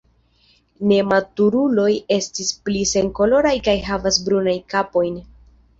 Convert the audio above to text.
Nematuruloj estas pli senkoloraj kaj havas brunajn kapojn.